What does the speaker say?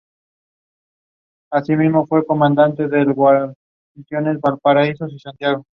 Gracias a ello hay menos accidentes.